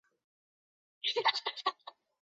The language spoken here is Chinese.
就算幸福会消失